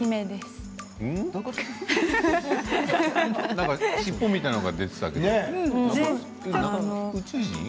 なんか尻尾みたいなものが出ていたけど宇宙人？